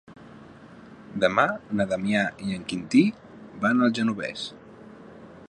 Demà na Damià i en Quintí van al Genovés.